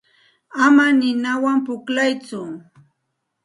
Ama ninawan pukllatsu.